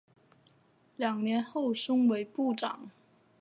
两年后升为部长。